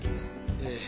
ええ。